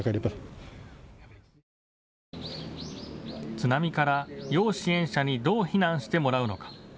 津波から要支援者にどう避難してもらうのか。